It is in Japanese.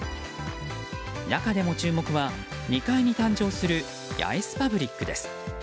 中でも注目は２階に誕生するヤエスパブリックです。